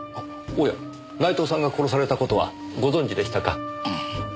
おや内藤さんが殺された事はご存じでしたか？